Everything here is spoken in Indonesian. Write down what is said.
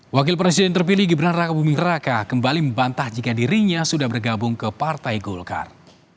wakil presiden terpilih gibran raka buming raka kembali membantah jika dirinya sudah bergabung ke partai golkar